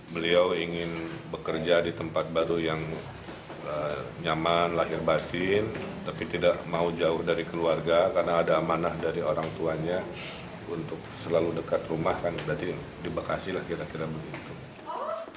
beliau ingin bekerja di tempat baru yang nyaman lahir batin tapi tidak mau jauh dari keluarga karena ada amanah dari orang tuanya untuk selalu dekat rumah kan berarti di bekasi lah kira kira begitu